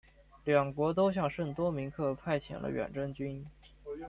两国都向圣多明克派遣了远征军。